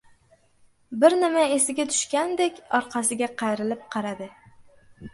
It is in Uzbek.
bir nima esiga tushgandek orqasiga qayrilib qaradi.